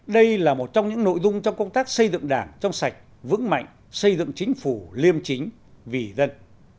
đây là một trong những nội dung trong công tác xây dựng đảng trong sạch vững mạnh xây dựng chính phủ liêm chính vì dân